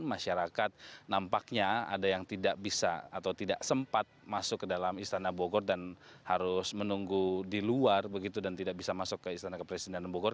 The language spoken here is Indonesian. masyarakat nampaknya ada yang tidak bisa atau tidak sempat masuk ke dalam istana bogor dan harus menunggu di luar begitu dan tidak bisa masuk ke istana kepresidenan bogor